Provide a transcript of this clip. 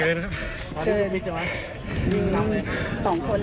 รู้สึกไง